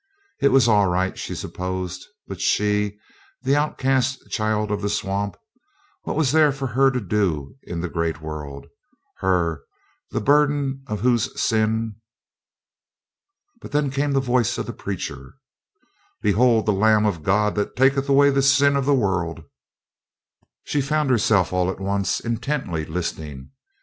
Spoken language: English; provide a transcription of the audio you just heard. It was all right, she supposed; but she, the outcast child of the swamp, what was there for her to do in the great world her, the burden of whose sin But then came the voice of the preacher: "Behold the Lamb of God, that taketh away the sin of the world." She found herself all at once intently listening.